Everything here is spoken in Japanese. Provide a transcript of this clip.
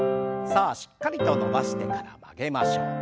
さあしっかりと伸ばしてから曲げましょう。